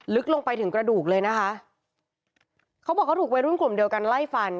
ลึกลงไปถึงกระดูกเลยนะคะเขาบอกเขาถูกวัยรุ่นกลุ่มเดียวกันไล่ฟัน